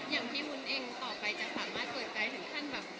อย่างพี่วุ้นเองต่อไปจะสามารถเปิดใจถึงขั้นแบบ